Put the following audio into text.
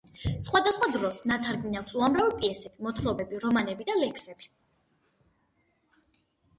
სხვადასხვა დროს ნათარგმნი აქვს უამრავი პიესები, მოთხრობები, რომანები და ლექსები.